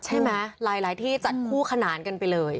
ใช่ไหมหลายที่จัดคู่ขนานกันไปเลย